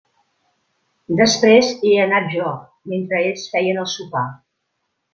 Després hi he anat jo, mentre ells feien el sopar.